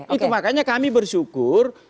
itu makanya kami bersyukur